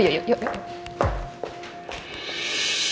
yuk yuk yuk